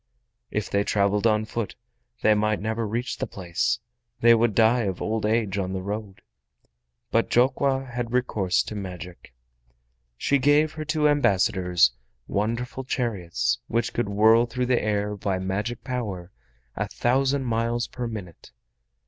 If they traveled on foot they might never reach the place, they would die of old age on the road. But Jokwa had recourse to magic. She gave her two ambassadors wonderful chariots which could whirl through the air by magic power a thousand miles per minute.